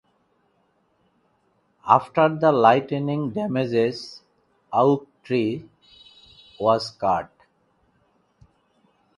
After the lightning-damaged oak tree was cut down, the tradition subsided.